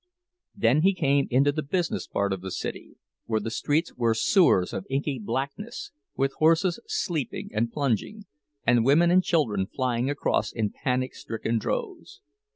Then he came into the business part of the city, where the streets were sewers of inky blackness, with horses sleeping and plunging, and women and children flying across in panic stricken droves.